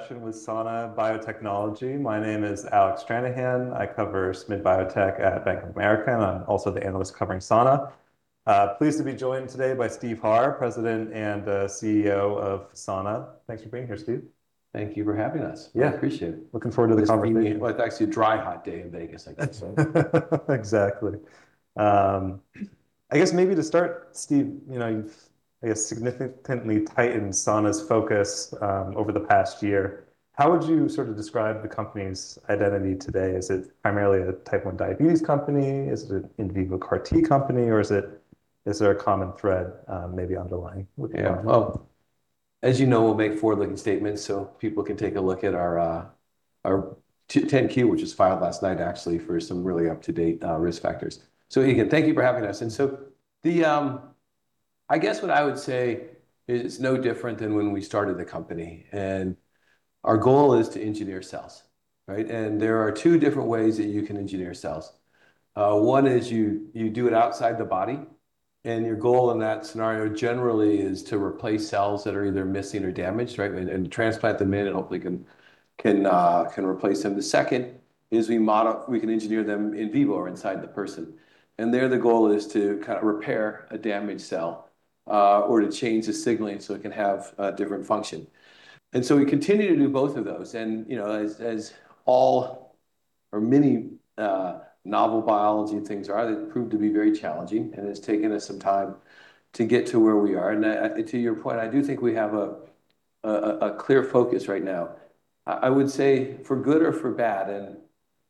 Session with Sana Biotechnology. My name is Alec Stranahan. I cover SMid Biotech at Bank of America, I'm also the analyst covering Sana. Pleased to be joined today by Steve Harr, President and Chief Executive Officer of Sana. Thanks for being here, Steve. Thank you for having us. Yeah. I appreciate it. Looking forward to the conversation. It's a pretty, well, it's actually a dry hot day in Vegas, I guess, right? Exactly. I guess maybe to start, Steve, you know, you've, I guess, significantly tightened Sana's focus over the past year. How would you sort of describe the company's identity today? Is it primarily a Type 1 diabetes company? Is it an in vivo CAR-T company, or is there a common thread, maybe underlying what you're going for? Well, as you know, we'll make forward-looking statements so people can take a look at our 10-Q, which was filed last night actually for some really up-to-date risk factors. Again, thank you for having us. I guess what I would say is it's no different than when we started the company, and our goal is to engineer cells, right? There are two different ways that you can engineer cells. One is you do it outside the body, and your goal in that scenario generally is to replace cells that are either missing or damaged, right, and transplant them in and hopefully can replace them. The second is we can engineer them in vivo or inside the person, and there the goal is to kind of repair a damaged cell or to change the signaling so it can have a different function. We continue to do both of those. You know, as all or many novel biology things are, they prove to be very challenging, and it's taken us some time to get to where we are. To your point, I do think we have a clear focus right now. I would say for good or for bad, and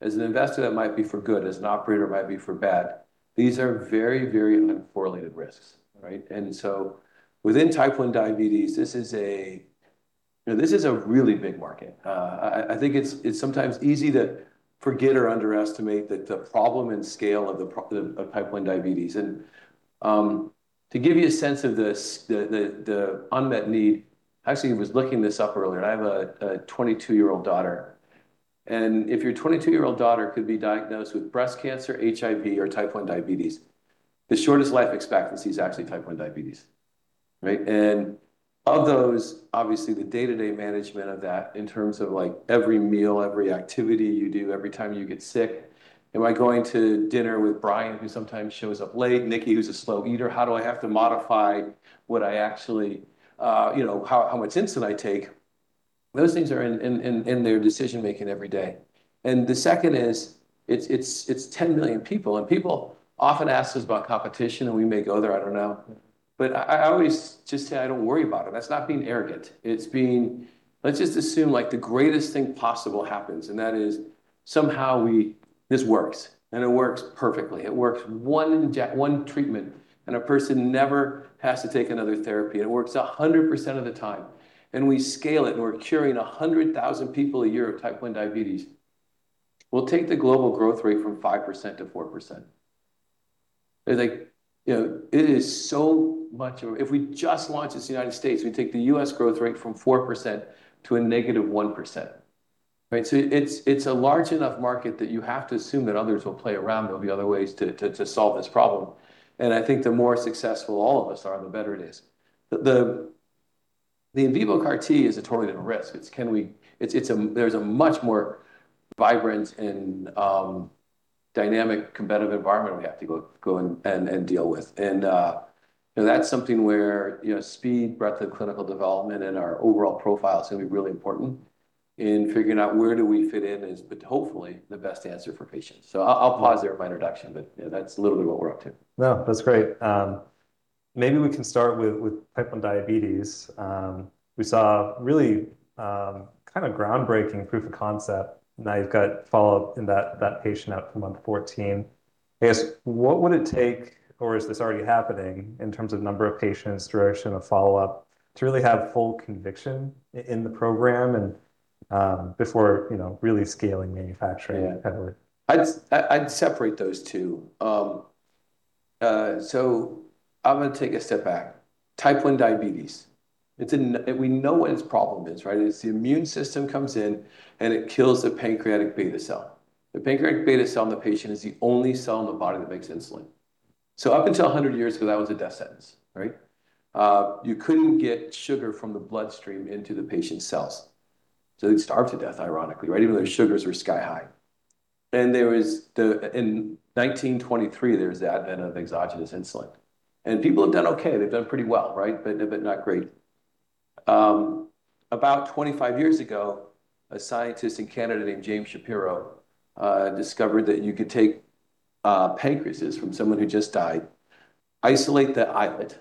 as an investor that might be for good, as an operator it might be for bad, these are very, very uncorrelated risks, right? Within Type 1 diabetes, you know, this is a really big market. I think it's sometimes easy to forget or underestimate the problem and scale of Type 1 diabetes. To give you a sense of the unmet need, I actually was looking this up earlier. I have a 22-year-old daughter, and if your 22-year-old daughter could be diagnosed with breast cancer, HIV, or Type 1 diabetes, the shortest life expectancy is actually Type 1 diabetes, right? Of those, obviously, the day-to-day management of that in terms of, like, every meal, every activity you do, every time you get sick, am I going to dinner with Brian, who sometimes shows up late, Nikki, who's a slow eater, how do I have to modify what I actually, you know, how much insulin I take, those things are in their decision-making every day. The second is it's 10 million people, and people often ask us about competition, and we may go there, I don't know. I always just say I don't worry about it. That's not being arrogant. Let's just assume, like, the greatest thing possible happens, and that is somehow this works, and it works perfectly. It works one treatment, and a person never has to take another therapy. It works 100% of the time, and we scale it, and we're curing 100,000 people a year of Type 1 diabetes. We'll take the global growth rate from 5%-4%. If we just launch this in the U.S., we take the U.S. growth rate from 4% to a -1%, right? It's a large enough market that you have to assume that others will play around. There'll be other ways to solve this problem. I think the more successful all of us are, the better it is. The in vivo CAR-T is a totally different risk. There's a much more vibrant and dynamic competitive environment we have to go and deal with. You know, that's something where, you know, speed, breadth of clinical development, and our overall profile is gonna be really important in figuring out where do we fit in as, but hopefully the best answer for patients. I'll pause there for my introduction. You know, that's a little bit what we're up to. No, that's great. Maybe we can start with Type 1 diabetes. We saw really kind of groundbreaking proof of concept. Now you've got follow-up in that patient out to month 14. I guess, what would it take, or is this already happening in terms of number of patients, duration of follow-up, to really have full conviction in the program and, before, you know, really scaling manufacturing heavily? Yeah. I'd separate those two. So I'm gonna take a step back. Type 1 diabetes, we know what its problem is, right? It's the immune system comes in, and it kills the pancreatic beta cell. The pancreatic beta cell in the patient is the only cell in the body that makes insulin. Up until 100 years ago, that was a death sentence, right? You couldn't get sugar from the bloodstream into the patient's cells, so they'd starve to death, ironically, right, even though their sugars were sky high. In 1923, there was the advent of exogenous insulin. People have done okay. They've done pretty well, right? Not great. About 25 years ago, a scientist in Canada named James Shapiro discovered that you could take pancreases from someone who just died, isolate the islet.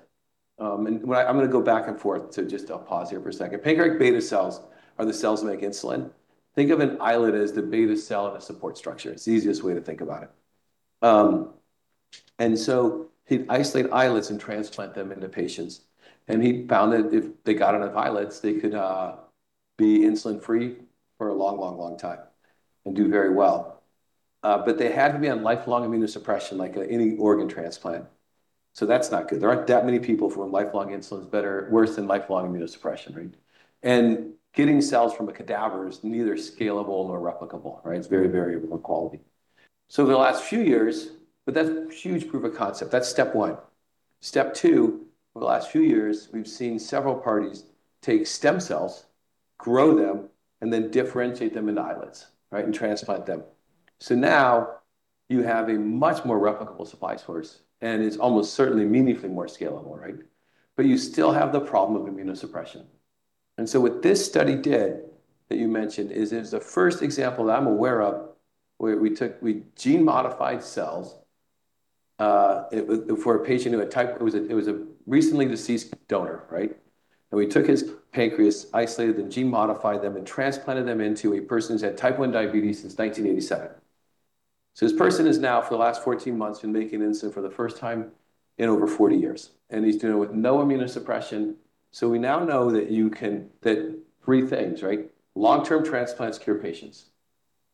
I'm gonna go back and forth, so I'll pause here for a second. Pancreatic beta cells are the cells that make insulin. Think of an islet as the beta cell in a support structure. It's the easiest way to think about it. He'd isolate islets and transplant them into patients, he found that if they got enough islets, they could be insulin-free for a long, long, long time and do very well. They had to be on lifelong immunosuppression like any organ transplant, that's not good. There aren't that many people for whom lifelong insulin is worse than lifelong immunosuppression, Getting cells from a cadaver is neither scalable nor replicable, right? It's very variable in quality. That's huge proof of concept. That's step one. Step two, over the last few years, we've seen several parties take stem cells, grow them, and then differentiate them into islets, right, and transplant them. Now you have a much more replicable supply source, and it's almost certainly meaningfully more scalable, right? You still have the problem of immunosuppression. What this study did, that you mentioned, is it was the first example that I'm aware of where we gene-modified cells it was a recently deceased donor, right? We took his pancreas, isolated and gene-modified them, and transplanted them into a person who's had Type 1 diabetes since 1987. This person is now, for the last 14 months, been making insulin for the first time in over 40 years, and he's doing it with no immunosuppression. We now know that three things, right? Long-term transplants cure patients.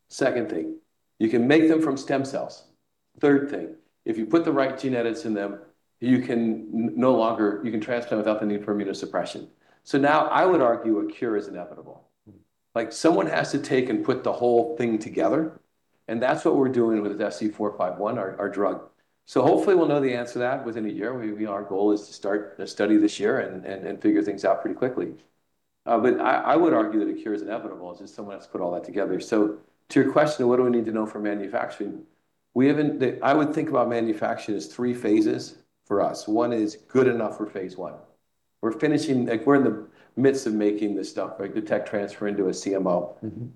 Second thing, you can make them from stem cells. Third thing, if you put the right gene edits in them, you can no longer transplant without the need for immunosuppression. Now I would argue a cure is inevitable. Like, someone has to take and put the whole thing together, and that's what we're doing with SC451, our drug. Hopefully we'll know the answer to that within a year. Our goal is to start the study this year and figure things out pretty quickly. I would argue that a cure is inevitable. Just someone has to put all that together. To your question, what do we need to know for manufacturing, I would think about manufacturing as 3 phases, For us one is good enough for phase I. Like, we're in the midst of making this stuff, right, the tech transfer into a CMO.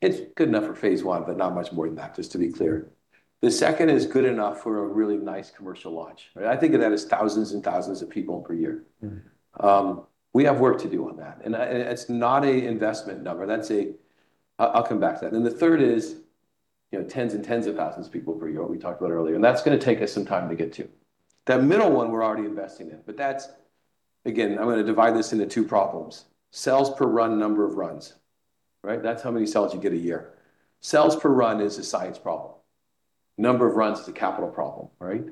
It's good enough for phase I, but not much more than that, just to be clear. The second is good enough for a really nice commercial launch, right? I think of that as thousands and thousands of people per year. We have work to do on that, it's not a investment number. I'll come back to that. The third is, you know, tens and tens of thousands of people per year, what we talked about earlier, that's gonna take us some time to get to. That middle one we're already investing in. Again, I'm gonna divide this into two problems, cells per run, number of runs. Right? That's how many cells you get a year. Cells per run is a science problem. Number of runs is a capital problem, right?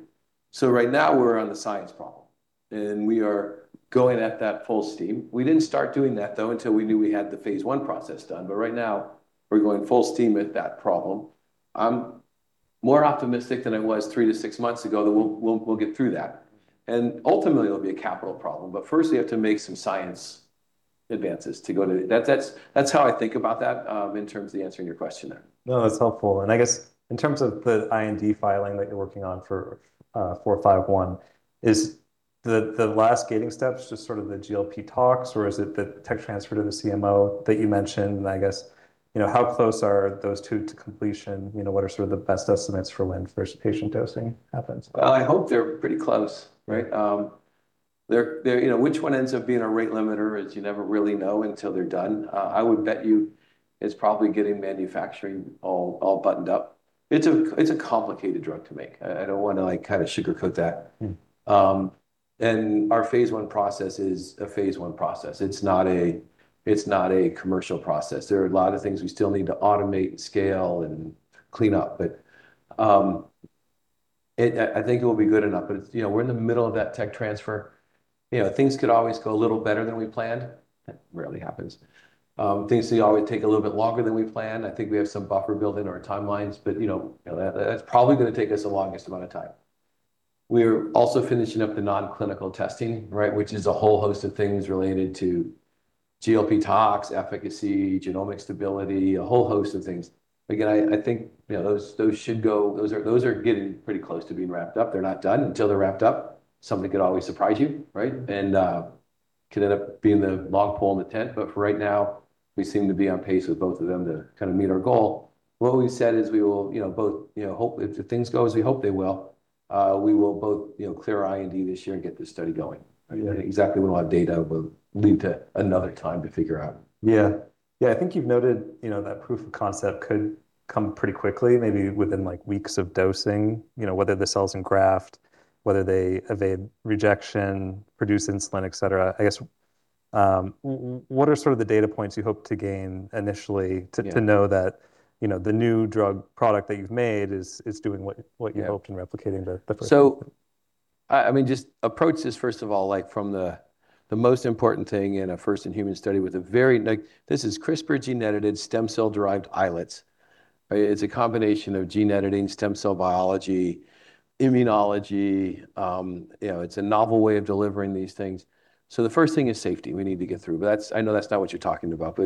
Right now we're on the science problem, we are going at that full steam. We didn't start doing that though until we knew we had the phase I process done, right now we're going full steam at that problem. I'm more optimistic than I was three to six months ago that we'll get through that, and ultimately it'll be a capital problem. First we have to make some science advances. That's how I think about that, in terms of answering your question there. No, that's helpful. I guess in terms of the IND filing that you're working on for SC451, is the last gating steps just sort of the GLP toxicology, or is it the tech transfer to the CMO that you mentioned? I guess, you know, how close are those two to completion? You know, what are sort of the best estimates for when first patient dosing happens? Well, I hope they're pretty close, right? They're, you know, which one ends up being a rate limiter is you never really know until they're done. I would bet you it's probably getting manufacturing all buttoned up. It's a complicated drug to make. I don't wanna, like, kind of sugarcoat that. Our phase I process is a phase I process. It's not a, it's not a commercial process. There are a lot of things we still need to automate, and scale, and clean up. I think it will be good enough. You know, we're in the middle of that tech transfer. You know, things could always go a little better than we planned. That rarely happens. Things could always take a little bit longer than we planned. I think we have some buffer built in our timelines. You know, you know, that's probably gonna take us the longest amount of time. We're also finishing up the non-clinical testing, right, which is a whole host of things related to GLP toxicology, efficacy, genomic stability, a whole host of things. Again, I think, you know, those are getting pretty close to being wrapped up. They're not done. Until they're wrapped up, something could always surprise you, right? Could end up being the long pole in the tent. For right now, we seem to be on pace with both of them to kind of meet our goal. What we've said is we will, you know, both, you know, If things go as we hope they will, we will both, you know, clear our IND this year and get this study going. Yeah. You know, exactly when we'll have data will lead to another time to figure out. Yeah. I think you've noted, you know, that proof of concept could come pretty quickly, maybe within, like, weeks of dosing, you know, whether the cells engraft, whether they evade rejection, produce insulin, et cetera. I guess, what are sort of the data points you hope to gain initially. Yeah To know that, you know, the new drug product that you've made is doing what you hoped. Yeah In replicating the first one? I mean, just approach this first of all like from the most important thing in a first-in-human study. Like, this is CRISPR gene-edited stem cell-derived islets, right? It's a combination of gene editing, stem cell biology, immunology. You know, it's a novel way of delivering these things. The first thing is safety we need to get through. I know that's not what you're talking about.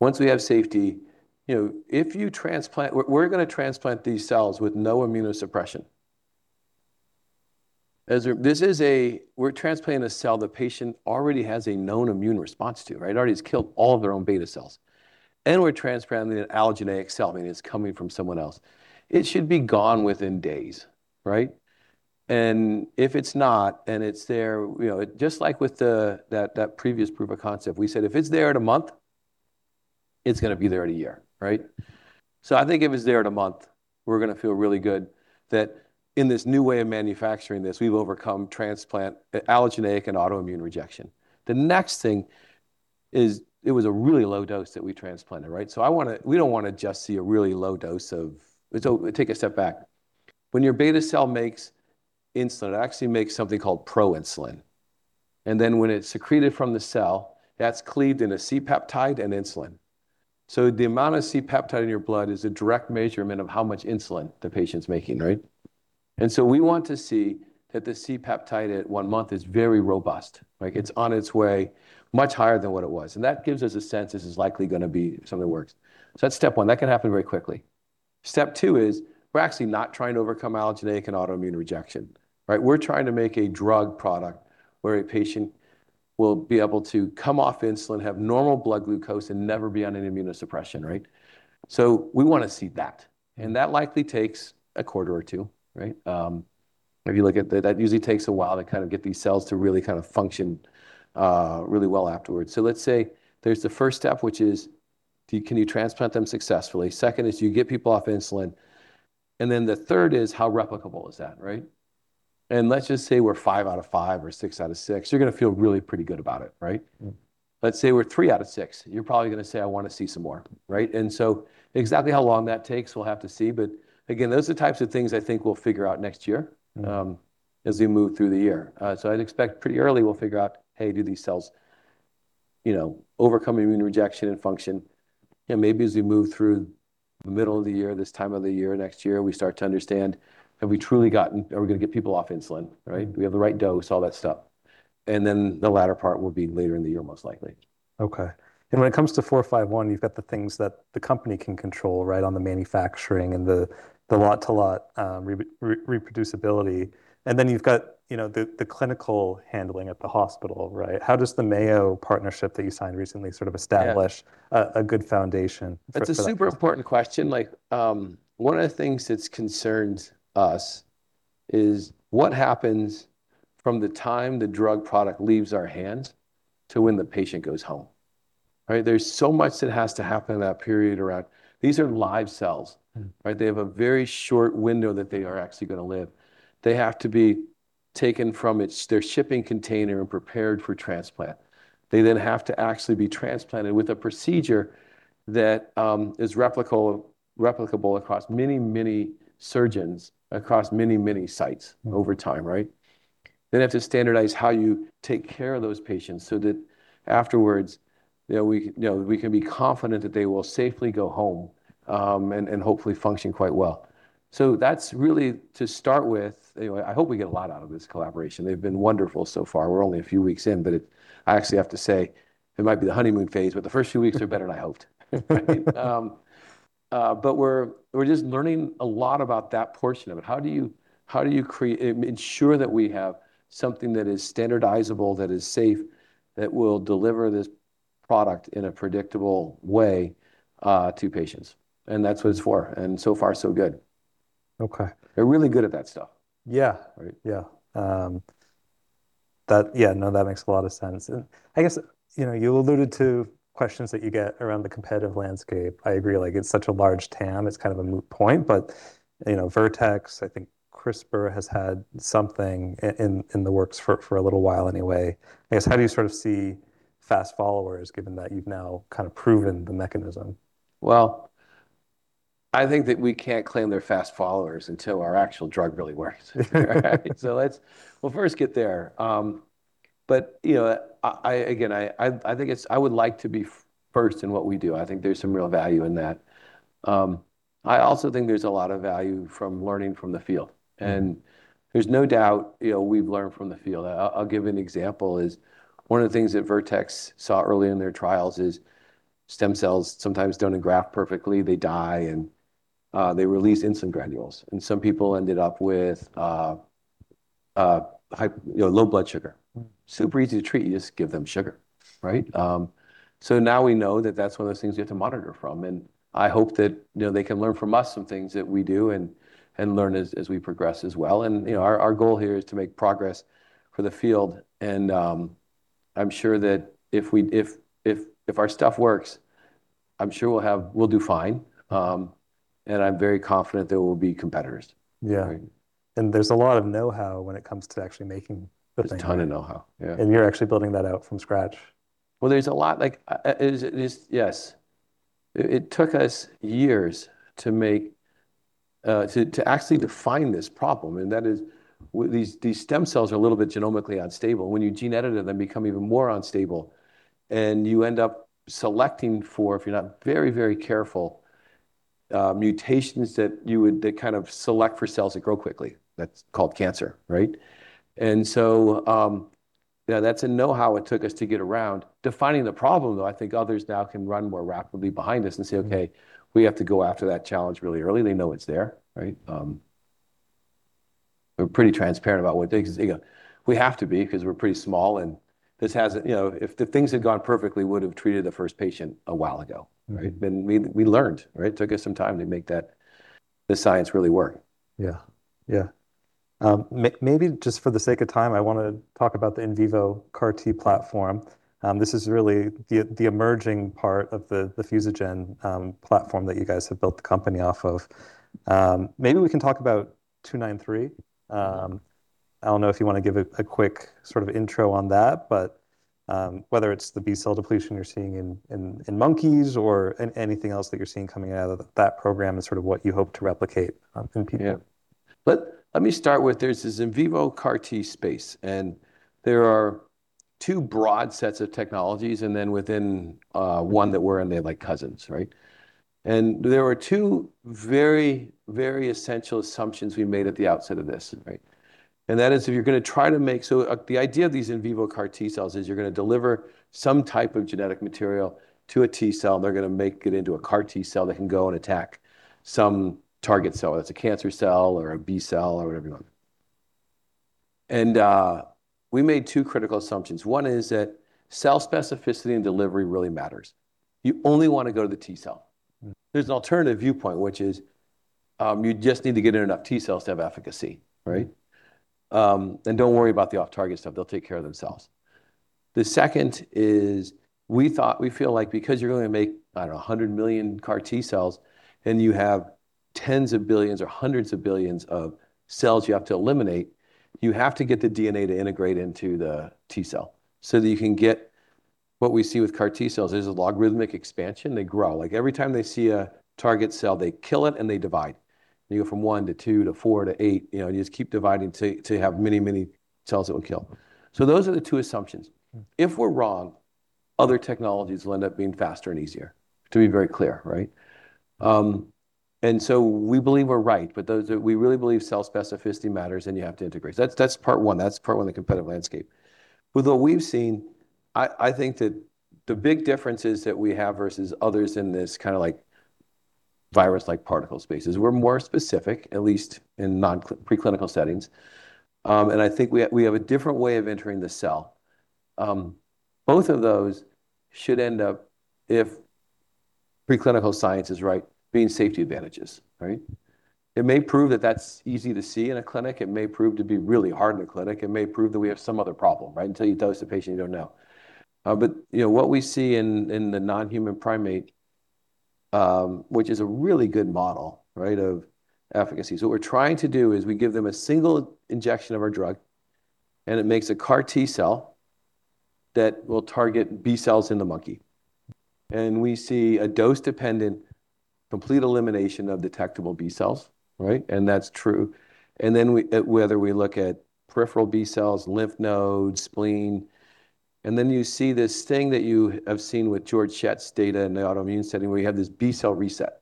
Once we have safety, you know, we're gonna transplant these cells with no immunosuppression. We're transplanting a cell the patient already has a known immune response to, right? Already has killed all of their own beta cells, and we're transplanting an allogeneic cell, meaning it's coming from someone else. It should be gone within days, right? If it's not, and it's there, you know, just like with the previous proof of concept, we said if it's there in one month, it's going to be there in one year, right? I think if it's there in 1 month, we're going to feel really good that in this new way of manufacturing this, we've overcome transplant, allogeneic and autoimmune rejection. The next thing is it was a really low dose that we transplanted, right? We don't want to just see a really low dose of. Take a step back. When your beta cell makes insulin, it actually makes something called proinsulin. Then when it's secreted from the cell, that's cleaved into C-peptide and insulin. The amount of C-peptide in your blood is a direct measurement of how much insulin the patient's making, right? We want to see that the C-peptide at one month is very robust, right? It's on its way much higher than what it was, and that gives us a sense this is likely going to be something that works. That's step one. That can happen very quickly. Step two is we're actually not trying to overcome allogeneic and autoimmune rejection, right? We're trying to make a drug product where a patient will be able to come off insulin, have normal blood glucose, and never be on immunosuppression, right? We want to see that, and that likely takes a quarter or two, right? If you look at that usually takes a while to kind of get these cells to really kind of function really well afterwards. Let's say there's the first step, which is can you transplant them successfully? Second is do you get people off insulin? The third is how replicable is that, right? Let's just say we're five out of five or six out of six, you're gonna feel really pretty good about it, right? Let's say we're three out of six. You're probably gonna say, "I wanna see some more." Right? Exactly how long that takes we'll have to see, but again, those are the types of things I think we'll figure out next year. As we move through the year. I'd expect pretty early we'll figure out, hey, do these cells, you know, overcome immune rejection and function? Maybe as we move through the middle of the year, this time of the year next year, we start to understand are we gonna get people off insulin, right? Do we have the right dose, all that stuff. The latter part will be later in the year most likely. Okay. When it comes to SC451 you've got the things that the company can control, right, on the manufacturing and the lot to lot, reproducibility, and then you've got, you know, the clinical handling at the hospital, right? How does the Mayo partnership that you signed recently sort of establish. Yeah A good foundation for that? That's a super important question. Like, one of the things that concerns us is what happens from the time the drug product leaves our hands to when the patient goes home, right? There's so much that has to happen in that period. These are live cells. Right? They have a very short window that they are actually gonna live. They have to be taken from their shipping container and prepared for transplant. They then have to actually be transplanted with a procedure that is replicable across many surgeons, across many sites. Over time, right? You have to standardize how you take care of those patients so that afterwards, you know, we, you know, we can be confident that they will safely go home and hopefully function quite well. That's really to start with. You know, I hope we get a lot out of this collaboration. They've been wonderful so far. We're only a few weeks in, but I actually have to say it might be the honeymoon phase, but the first few weeks are better than I hoped. Right? We're just learning a lot about that portion of it. How do you create, ensure that we have something that is standardizable, that is safe, that will deliver this product in a predictable way to patients? That's what it's for, and so far so good. Okay. They're really good at that stuff. Yeah. Right? Yeah, no, that makes a lot of sense. I guess, you know, you alluded to questions that you get around the competitive landscape. I agree, like it's such a large TAM, it's kind of a moot point, but, you know, Vertex, I think CRISPR has had something in the works for a little while anyway. I guess how do you sort of see fast followers given that you've now kind of proven the mechanism? Well, I think that we can't claim they're fast followers until our actual drug really works. Right? Let's, we'll first get there. You know, I would like to be first in what we do. I think there's some real value in that. I also think there's a lot of value from learning from the field. There's no doubt, you know, we've learned from the field. I'll give you an example is one of the things that Vertex saw early in their trials is stem cells sometimes don't engraft perfectly. They die and they release insulin granules, and some people ended up with, you know, low blood sugar. Super easy to treat. You just give them sugar, right? Now we know that that's one of those things you have to monitor from, and I hope that, you know, they can learn from us some things that we do and learn as we progress as well. You know, our goal here is to make progress for the field, and I'm sure that if our stuff works, I'm sure we'll do fine. I'm very confident there will be competitors. Yeah. Right? There's a lot of know-how when it comes to actually making the thing. There's a ton of know-how. Yeah. You're actually building that out from scratch. Well, there's a lot. Like, Yes. It took us years to make, to actually define this problem, and that is these stem cells are a little bit genomically unstable. When you gene edit them, they become even more unstable, and you end up selecting for, if you're not very, very careful, mutations that kind of select for cells that grow quickly. That's called cancer, right? Yeah, that's a know-how it took us to get around. Defining the problem though, I think others now can run more rapidly behind us and say, "Okay, we have to go after that challenge really early." They know it's there, right? We're pretty transparent about what it takes. You know, we have to be because we're pretty small. You know, if the things had gone perfectly, we would've treated the first patient a while ago. Right? We learned, right? It took us some time to make that the science really work. Yeah. Yeah. Just for the sake of time, I wanna talk about the in vivo CAR-T platform. This is really the emerging part of the Fusogen platform that you guys have built the company off of. Maybe we can talk about SG293. I don't know if you wanna give a quick sort of intro on that, but whether it's the B-cell depletion you're seeing in monkeys or anything else that you're seeing coming out of that program and sort of what you hope to replicate in people. Let me start with there's this in vivo CAR-T space, and there are two broad sets of technologies, and then within, one that we're in, they're like cousins, right? There are two very, very essential assumptions we made at the outset of this, right? That is if you're gonna try to make the idea of these in vivo CAR T cells is you're gonna deliver some type of genetic material to a T cell, and they're gonna make it into a CAR T cell that can go and attack some target cell, whether that's a cancer cell or a B cell or whatever you want. We made two critical assumptions. One is that cell specificity and delivery really matters. You only wanna go to the T cell. There's an alternative viewpoint, which is, you just need to get in enough T cells to have efficacy, right? Don't worry about the off-target stuff. They'll take care of themselves. The second is we thought, we feel like because you're going to make, I don't know, 100 million CAR T cells and you have tens of billions or hundreds of billions of cells you have to eliminate, you have to get the DNA to integrate into the T cell so that you can get what we see with CAR T cells. There's a logarithmic expansion. They grow. Like, every time they see a target cell, they kill it and they divide. You go from 1 to 2 to 4 to 8, you know, you just keep dividing till you have many, many cells that will kill. Those are the two assumptions. If we're wrong, other technologies will end up being faster and easier, to be very clear, right? We believe we're right, but we really believe cell specificity matters and you have to integrate. That's part one. That's part one of the competitive landscape. With what we've seen, I think that the big differences that we have versus others in this kinda like virus-like particle space is we're more specific, at least in preclinical settings. I think we have a different way of entering the cell. Both of those should end up, if preclinical science is right, being safety advantages, right? It may prove that that's easy to see in a clinic, it may prove to be really hard in a clinic, it may prove that we have some other problem, right? Until you dose the patient, you don't know. you know, what we see in the non-human primate, which is a really good model, right, of efficacy. What we're trying to do is we give them a single injection of our drug, and it makes a CAR T cell that will target B cells in the monkey. We see a dose-dependent complete elimination of detectable B cells, right? That's true. We, whether we look at peripheral B cells, lymph nodes, spleen, then you see this thing that you have seen with Georg Schett's data in the autoimmune setting where you have this B cell reset.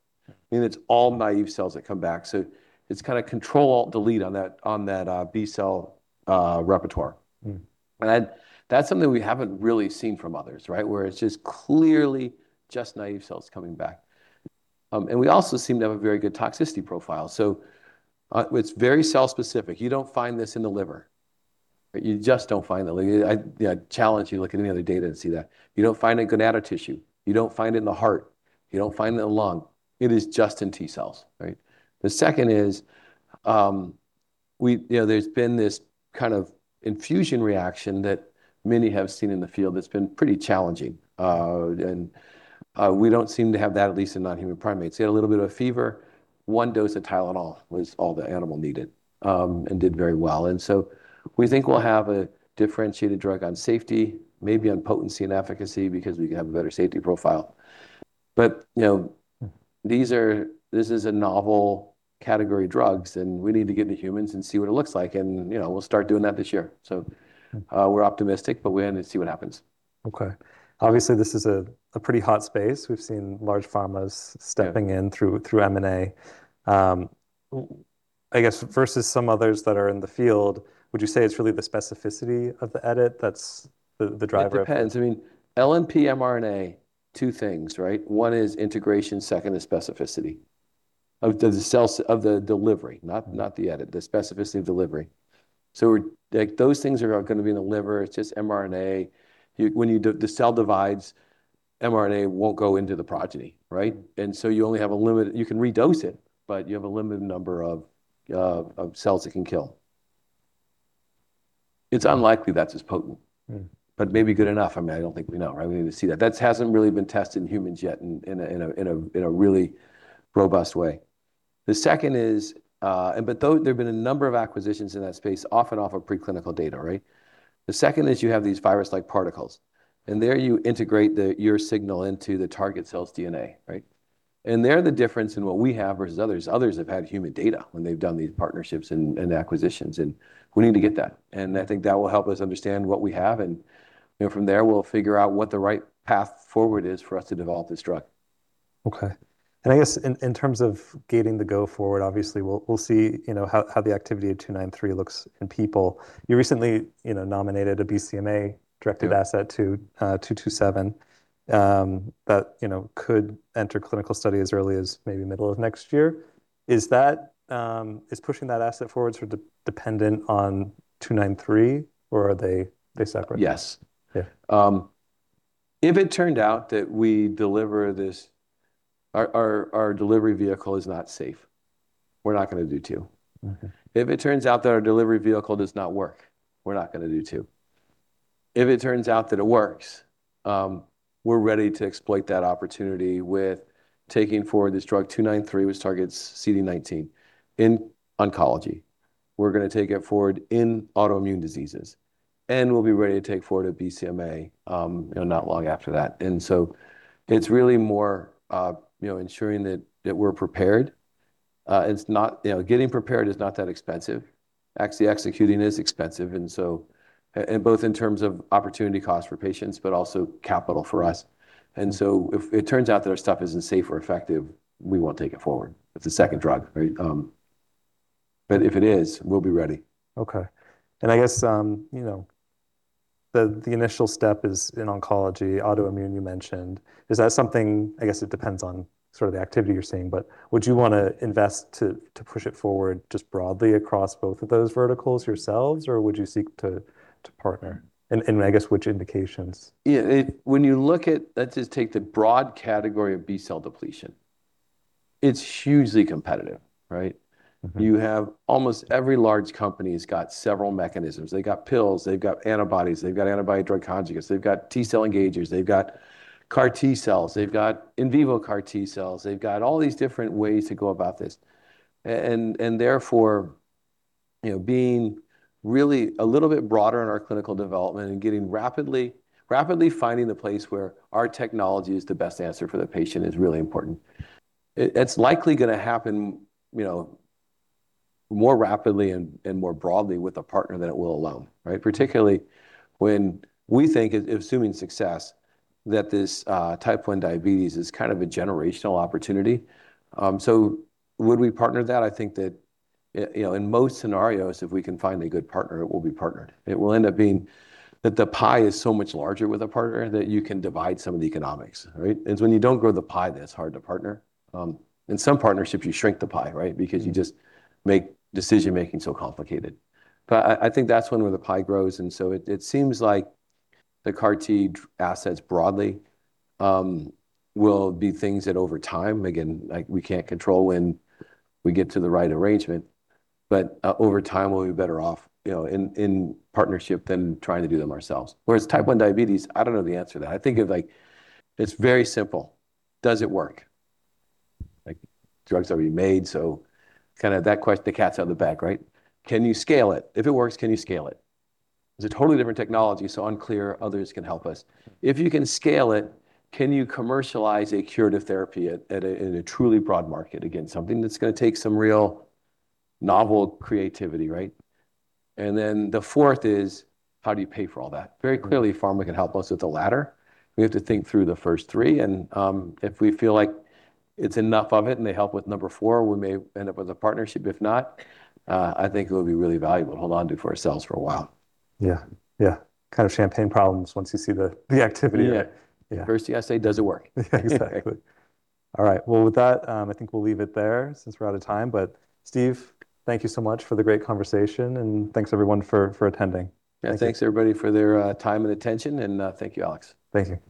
Meaning it's all naive cells that come back. It's kinda Control, Alt, Delete on that, on that, B cell repertoire. That's something we haven't really seen from others, right? Where it's just clearly just naive cells coming back. We also seem to have a very good toxicity profile. It's very cell specific. You don't find this in the liver. Right? You just don't find that. Like I, you know, I challenge you to look at any other data and see that. You don't find it in gonadal tissue. You don't find it in the heart. You don't find it in the lung. It is just in T cells, right? The second is, we, you know, there's been this kind of infusion reaction that many have seen in the field that's been pretty challenging. We don't seem to have that, at least in non-human primates. They had a little bit of a fever. One dose of Tylenol was all the animal needed, did very well. We think we'll have a differentiated drug on safety, maybe on potency and efficacy because we have a better safety profile. You know, this is a novel category drugs, we need to get into humans and see what it looks like, you know, we'll start doing that this year. We're optimistic, we have to see what happens. Okay. Obviously, this is a pretty hot space. We've seen large pharmas stepping in through M&A. I guess versus some others that are in the field, would you say it's really the specificity of the edit that's the driver of? It depends. I mean, LNP mRNA, two things, right? One is integration, second is specificity of the cells, of the delivery, not the edit, the specificity of delivery. Like, those things are going to be in the liver. It's just mRNA. You, when the cell divides, mRNA won't go into the progeny, right? You only have a limit. You can redose it, but you have a limited number of cells it can kill. It's unlikely that's as potent. Maybe good enough. I mean, I don't think we know, right? We need to see that. That hasn't really been tested in humans yet in a really robust way. The second is, though there've been a number of acquisitions in that space off and off of preclinical data, right? The second is you have these virus-like particles, there you integrate your signal into the target cell's DNA, right? There the difference in what we have versus others have had human data when they've done these partnerships and acquisitions, we need to get that. I think that will help us understand what we have and, you know, from there we'll figure out what the right path forward is for us to develop this drug. Okay. I guess in terms of gaining the go forward, obviously we'll see, you know, how the activity of SG293 looks in people. You recently, you know, nominated a BCMA-directed asset to SG227, that, you know, could enter clinical study as early as maybe middle of next year. Is that is pushing that asset forward sort of dependent on SG293 or are they separate? Yes. Yeah. If it turned out that we deliver Our delivery vehicle is not safe, we're not gonna do two. Okay. If it turns out that our delivery vehicle does not work, we're not gonna do two. If it turns out that it works, we're ready to exploit that opportunity with taking forward this drug SG293, which targets CD19 in oncology. We're gonna take it forward in autoimmune diseases, we'll be ready to take forward a BCMA, you know, not long after that. It's really more, you know, ensuring that we're prepared. You know, getting prepared is not that expensive. Actually executing is expensive. Both in terms of opportunity cost for patients, also capital for us. If it turns out that our stuff isn't safe or effective, we won't take it forward. It's the second drug, right? If it is, we'll be ready. Okay. I guess, you know, the initial step is in oncology. Autoimmune you mentioned. Is that something I guess it depends on sort of the activity you're seeing. Would you wanna invest to push it forward just broadly across both of those verticals yourselves, or would you seek to partner? I guess which indications? Yeah. When you look at Let's just take the broad category of B cell depletion. It's hugely competitive, right? You have almost every large company's got several mechanisms. They've got pills, they've got antibodies, they've got antibody-drug conjugates, they've got T-cell engagers, they've got CAR T cells, they've got in vivo CAR T cells. They've got all these different ways to go about this. Therefore, you know, being really a little bit broader in our clinical development and getting rapidly finding the place where our technology is the best answer for the patient is really important. It's likely gonna happen, you know, more rapidly and more broadly with a partner than it will alone, right? Particularly when we think, assuming success, that this, Type 1 diabetes is kind of a generational opportunity. Would we partner that? I think that, you know, in most scenarios if we can find a good partner, it will be partnered. It will end up being that the pie is so much larger with a partner that you can divide some of the economics, right? It's when you don't grow the pie that it's hard to partner. In some partnerships you shrink the pie, right? Because you just make decision-making so complicated. I think that's when the pie grows. It seems like the CAR T assets broadly will be things that over time, again, like we can't control when we get to the right arrangement, but over time we'll be better off, you know, in partnership than trying to do them ourselves. Whereas Type 1 diabetes, I don't know the answer to that. I think of like it's very simple. Does it work? Like drugs that we made, kinda the cat's out of the bag, right? Can you scale it? If it works, can you scale it? It's a totally different technology. Unclear others can help us. If you can scale it, can you commercialize a curative therapy in a truly broad market? Again, something that's gonna take some real novel creativity, right? The fourth is how do you pay for all that? Very clearly pharma can help us with the latter. We have to think through the first three and if we feel like it's enough of it and they help with number four, we may end up with a partnership. If not, I think it would be really valuable to hold onto for ourselves for a while. Yeah, yeah. Kind of champagne problems once you see the activity. Yeah. Yeah. First you gotta say, "Does it work? Yeah. Exactly. All right. Well, with that, I think we'll leave it there since we're out of time. Steve, thank you so much for the great conversation, and thanks everyone for attending. Thank you. Yeah, thanks everybody for their time and attention, and thank you Alec Stranahan. Thank you.